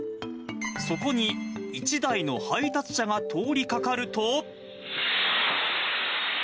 そこに、１台の配達車が通りかかると。